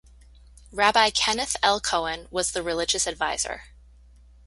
Rabbi Kenneth L. Cohen was the religious advisor.